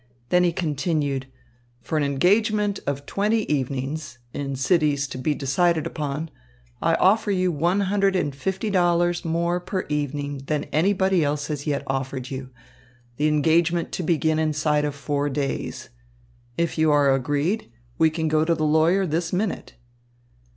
Then he continued: "For an engagement of twenty evenings in cities to be decided upon, I offer you one hundred and fifty dollars more per evening than anybody else has yet offered you, the engagement to begin inside of four days. If you are agreed, we can go to the lawyer this minute."